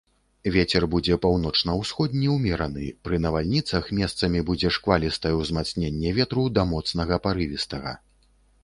Вецер будзе паўночна-ўсходні ўмераны, пры навальніцах месцамі будзе шквалістае ўзмацненне ветру да моцнага парывістага.